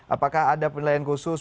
apakah ada penilaian khusus